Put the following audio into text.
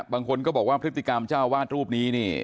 บางคนก็บอกว่าพฤติกรรมเจ้าวาดรูปนี้นี่